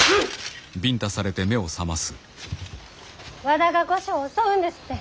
和田が御所を襲うんですって。